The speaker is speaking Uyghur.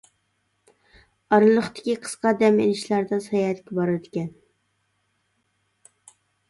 ئارىلىقتىكى قىسقا دەم ئېلىشلاردا ساياھەتكە بارىدىكەن.